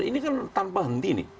ini kan tanpa henti nih